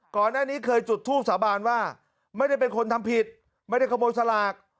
ก่อนหน้านี้เคยจุดทูบสาบานว่าไม่ได้เป็นคนทำผิดไม่ได้ขโมยสลาก